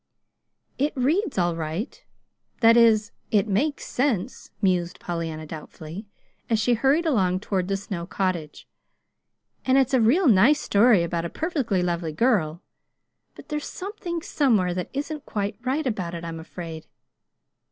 "It reads all right that is, it makes sense," mused Pollyanna doubtfully, as she hurried along toward the Snow cottage; "and it's a real nice story about a perfectly lovely girl. But there's something somewhere that isn't quite right about it, I'm afraid.